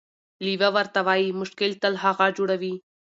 لیوه ورته وايي: مشکل تل هغه جوړوي،